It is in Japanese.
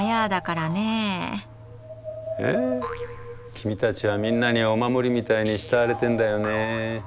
君たちはみんなにお守りみたいに慕われてんだよね。